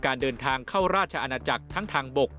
การเดินทางเข้าราชอาณาจักรทั้งทางบก